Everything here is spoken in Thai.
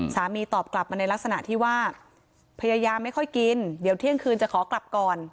ตอบกลับมาในลักษณะที่ว่าพยายามไม่ค่อยกินเดี๋ยวเที่ยงคืนจะขอกลับก่อน